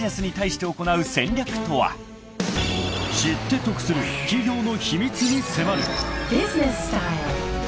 ［知って得する企業の秘密に迫る］